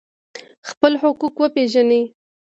خپل حقوق وپیژنئ